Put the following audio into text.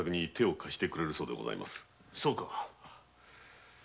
そうか。